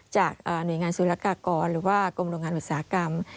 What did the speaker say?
จากหน่วยงานสุรกากรหรือว่ากรมโรงงานอุตสาหกรรม